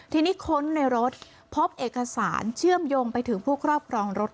ทีนี้ค้นในรถพบเอกสารเชื่อมโยงไปถึงผู้ครอบครองรถ